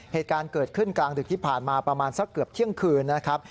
เหตุการณ์เกิดขึ้นกลางดึกที่ผ่านมาประมาณสักเกือบเที่ยงคืนนะครับ